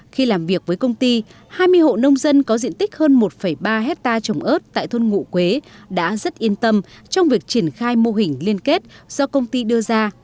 khi làm việc với công ty hai mươi hộ nông dân có diện tích hơn một ba hectare trồng ớt tại thôn ngũ quế đã rất yên tâm trong việc triển khai mô hình liên kết do công ty đưa ra